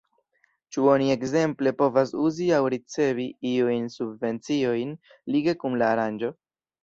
Ĉu oni ekzemple povas uzi aŭ ricevi iujn subvenciojn lige kun la aranĝo?